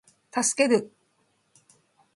助ける